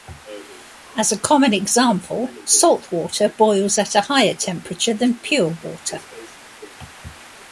As a common example, salt water boils at a higher temperature than pure water.